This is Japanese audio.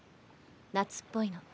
夏っぽいの。